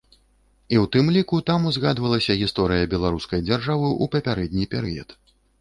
І ў тым ліку там узгадавалася гісторыя беларускай дзяржавы ў папярэдні перыяд.